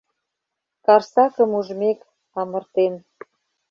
Карсакым ужмек... — амыртен.